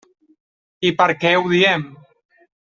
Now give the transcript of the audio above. I per què ho diem?